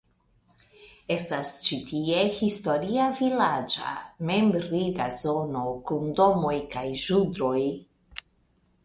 Estas ĉi tie historia vilaĝa memriga zono kun domoj kun ĵudroj.